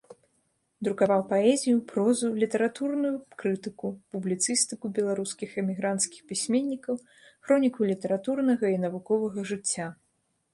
Друкаваў паэзію, прозу, літаратурную крытыку, публіцыстыку беларускіх эмігранцкіх пісьменнікаў, хроніку літаратурнага і навуковага жыцця.